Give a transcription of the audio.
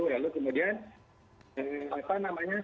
lalu kemudian apa namanya